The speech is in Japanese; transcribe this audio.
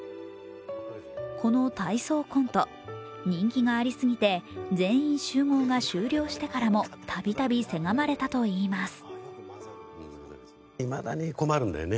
この体操コント、人気がありすぎて「全員集合」が終了してからもたびたびせがまれたといいます。